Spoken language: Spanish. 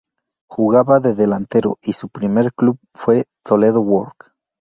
Jugaba de delantero y su primer club fue Toledo Work.